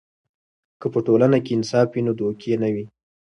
که په ټولنه کې انصاف وي، نو دوکې نه وي.